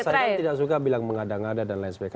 saya kan tidak suka bilang mengada ngada dan lain sebagainya